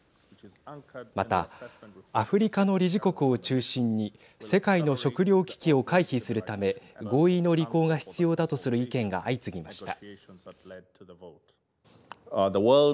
またアフリカの理事国を中心に世界の食料危機を回避するため合意の履行が必要だとする意見が相次ぎました。